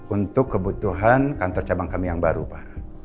untuk kebutuhan kantor cabang kami yang baru pak